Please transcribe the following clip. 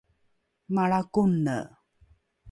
malra kone